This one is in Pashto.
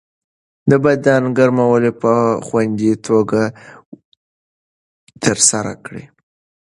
د بدن ګرمول په خوندي توګه ترسره کړئ.